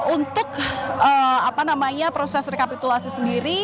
untuk proses rekapitulasi sendiri